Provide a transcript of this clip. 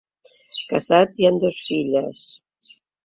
Casat i en dos filles.